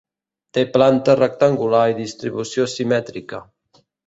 Té planta rectangular i distribució simètrica.